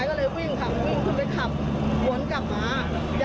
ยังไม่ทันวนกับมาเลย